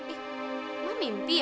eh emang mimpi ya